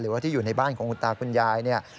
หรือว่าที่อยู่ในบ้านของคุณตาคุณยาย